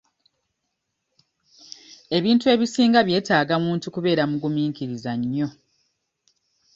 Ebintu ebisinga byetaaga muntu kubeera mugumiikiriza nnyo.